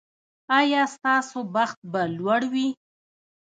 ایا ستاسو بخت به لوړ وي؟